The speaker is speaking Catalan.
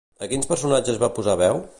A quins personatges va posar veu?